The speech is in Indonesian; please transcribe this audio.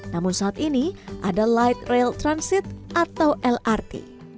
namun saat ini ada light rail transit atau lrt